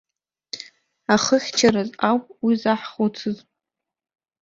Ахыхьчараз ауп уи заҳхәыцыз.